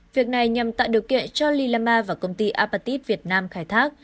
việc này nhằm tạo điều kiện cho lilama và công ty apatit việt nam khai thác